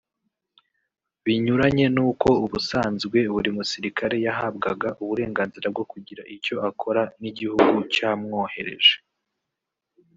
binyuranye n’uko ubusanzwe buri musirikare yahabwaga uburenganzira bwo kugira icyo akora n’igihugu cyamwohereje